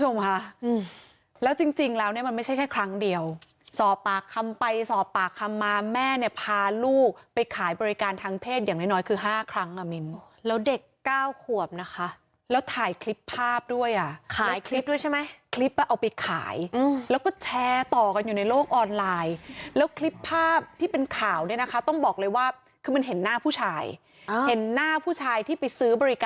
แม่ครั้งเดียวสอบปากคำไปสอบปากคำมาแม่เนี่ยพาลูกไปขายบริการทางเพศอย่างน้อยคือ๕ครั้งอะมินแล้วเด็ก๙ขวบนะคะแล้วถ่ายคลิปภาพด้วยอ่ะขายคลิปด้วยใช่ไหมคลิปเอาไปขายแล้วก็แชร์ต่อกันอยู่ในโลกออนไลน์แล้วคลิปภาพที่เป็นข่าวเนี่ยนะคะต้องบอกเลยว่าคือมันเห็นหน้าผู้ชายเห็นหน้าผู้ชายที่ไปซื้อบริก